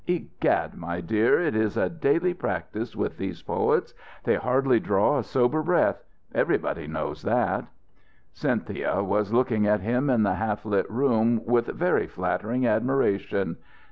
Egad, my dear, it is a daily practice with these poets. They hardly draw a sober breath. Everybody knows that." Cynthia was looking at him in the half lit room with very flattering admiration....